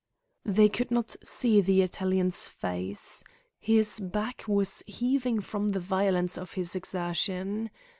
They could not see the Italian's face. His back was heaving from the violence of his exertion.